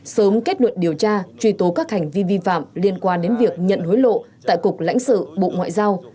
sớm kết luận điều tra truy tố các hành vi vi phạm liên quan đến việc nhận hối lộ tại cục lãnh sự bộ ngoại giao